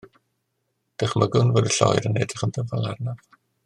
Dychmygwn fod y lloer yn edrych yn ddyfal arnaf.